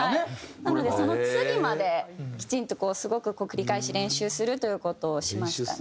なのでその次まできちんとこうすごく繰り返し練習するという事をしましたね。